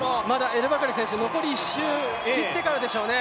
エル・バカリ選手残り１周を切ってからでしょうね。